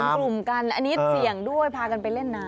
กลุ่มกันอันนี้เสี่ยงด้วยพากันไปเล่นน้ำ